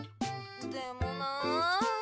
でもなあ。